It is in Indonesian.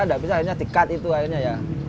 tidak bisa akhirnya di cut itu akhirnya ya